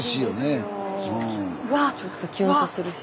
スタジオちょっとキュンとするし。